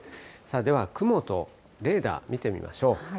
では雲とレーダー見てみましょう。